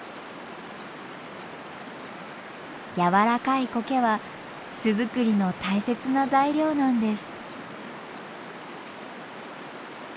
やわらかいコケは巣づくりの大切な材料なんです。